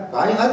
phải hết sức